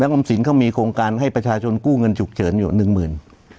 อมสินเขามีโครงการให้ประชาชนกู้เงินฉุกเฉินอยู่หนึ่งหมื่น